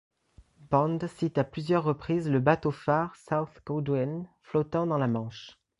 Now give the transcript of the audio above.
Bond cite à plusieurs reprises le bateau-phare South Goodwin flottant dans la Manche.